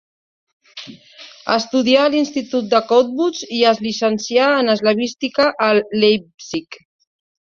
Estudià a l'Institut de Cottbus i es llicencià en eslavística a Leipzig.